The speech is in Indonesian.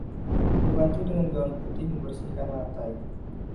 Pembantu dengan gaun putih membersihkan lantai.